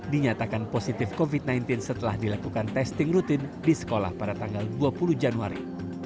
dinyatakan positif covid sembilan belas setelah dilakukan testing rutin di sekolah pada tanggal dua puluh januari